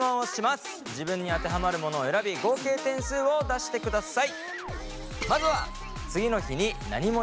自分に当てはまるものを選び合計点数を出してください！